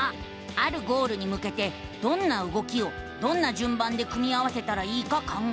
あるゴールにむけてどんな動きをどんなじゅんばんで組み合わせたらいいか考える。